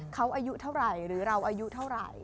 เขาอายุเท่าไหร่หรือเราอายุเท่าไหร่